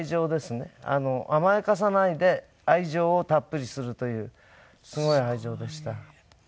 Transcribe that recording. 甘やかさないで愛情をたっぷりするというすごい愛情でした。